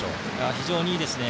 非常にいいですね。